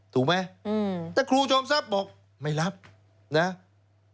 ถูกไหมแต่ครูจอมทรัพย์บอกไม่รับนะ